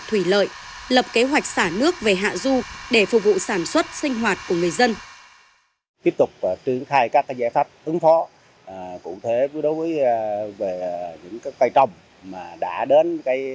thủy lợi lập kế hoạch xả nước về hạ du để phục vụ sản xuất sinh hoạt của người dân